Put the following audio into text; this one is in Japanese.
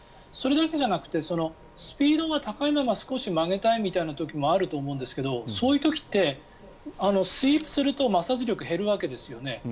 それだけじゃなくてスピードが高いまま少し曲げたいみたいな時もあると思うんですけどそういう時ってスイープすると摩擦力が減るわけですよね。